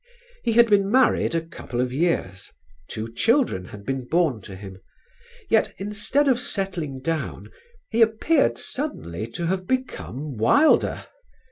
He had been married a couple of years, two children had been born to him; yet instead of settling down he appeared suddenly to have become wilder.